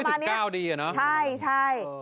อ๋อไม่ถึง๙ดีเนอะใช่